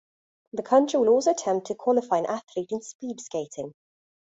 The country will also attempt to qualify an athlete in speed skating.